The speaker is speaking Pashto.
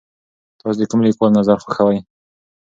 تاسو د کوم لیکوال نظر خوښوئ؟